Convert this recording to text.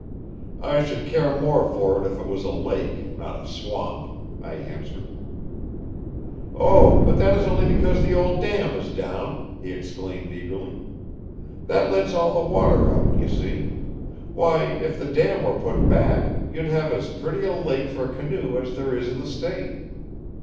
"I should care more for it if it was a lake, not a swamp," I answered. "Oh, but that is only because the old dam is down," he exclaimed eagerly. "That lets all the water out, you see. Why, if the dam were put back, you'd have as pretty a lake for a canoe as there is in the State!